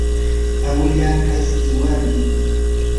awila kaski warmim